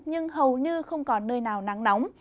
nhưng hầu như không còn nơi nào nắng nóng